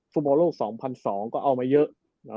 ภูมิบ่าโลก๒๐๐๒ก็เอามาเยอะ